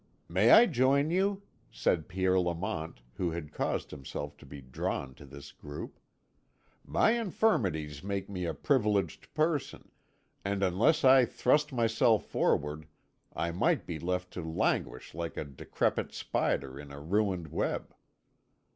"May I join you?" said Pierre Lamont, who had caused himself to be drawn to this group. "My infirmities make me a privileged person, and unless I thrust myself forward, I might be left to languish like a decrepit spider in a ruined web."